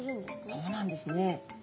そうなんですね。